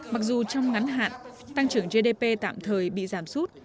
mặc dù trong ngắn hạn tăng trưởng gdp tạm thời bị giảm sút